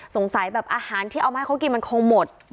แบบอาหารที่เอามาให้เขากินมันคงหมด